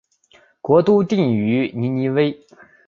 国都定于尼尼微。